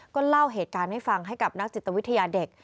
ก็เล่าเหตุการณ์ให้ฟังให้กับนักจิตวิทยาเด็ก